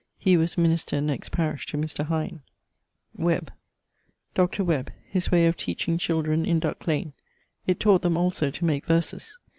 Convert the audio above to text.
He was minister next parish to Mr. Hine. =... Webb.= Dr. Webb: his way of teaching children, in Duck lane. It taught them also to make verses.